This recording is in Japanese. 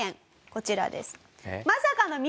こちらです。